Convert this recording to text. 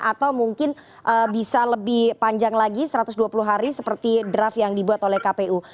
atau mungkin bisa lebih panjang lagi satu ratus dua puluh hari seperti draft yang dibuat oleh kpu